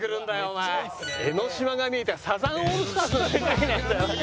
江の島が見えてサザンオールスターズの世界なんだよ。